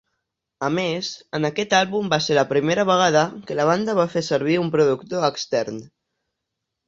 A més, en aquest àlbum va ser la primera vegada que la banda va fer servir un productor extern.